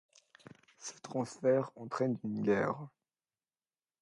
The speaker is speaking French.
Ce transfert entraîne une guerre.